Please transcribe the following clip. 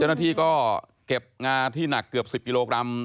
เจ้าหน้าที่ก็เก็บงาที่หนักเกือบ๑๐กิโลกรัม